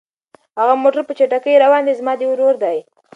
هغه موټر چې په چټکۍ روان دی زما د ورور دی.